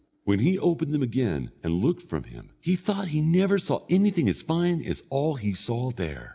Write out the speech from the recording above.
When he opened them again and looked from him he thought he never saw anything as fine as all he saw there.